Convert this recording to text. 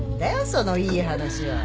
そのいい話は。